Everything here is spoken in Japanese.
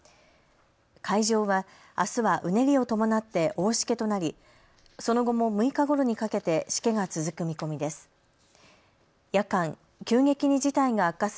海上は、あすはうねりを伴って大しけとなりその後も６日ごろにかけてしけが続く見込みです。